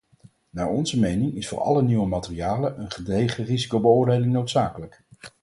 Naar onze mening is voor alle nieuwe materialen een gedegen risicobeoordeling noodzakelijk.